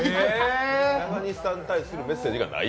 中西さんに対するメッセージがない？